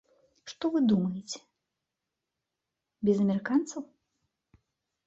Што, вы думаеце, без амерыканцаў?